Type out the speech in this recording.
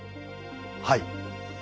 はい。